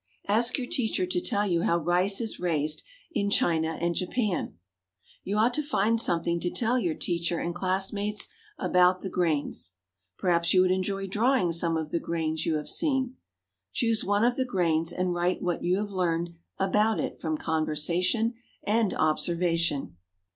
Ask your teacher to tell you how rice is raised in China and Japan. You ought to find something to tell your teacher and classmates about the grains. Perhaps you would enjoy drawing some of the grains you have seen. Choose one of the grains, and write what you have Learned about it from conversation and observation.